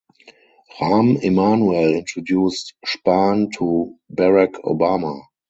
Rahm Emanuel introduced Spahn to Barack Obama.